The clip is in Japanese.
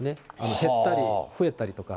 減ったり増えたりとか。